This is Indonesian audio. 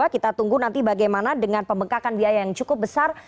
kita tunggu nanti bagaimana dengan pembengkakan biaya yang cukup besar